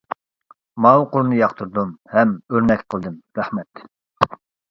ماۋۇ قۇرنى ياقتۇردۇم ھەم ئۆرنەك قىلدىم رەھمەت!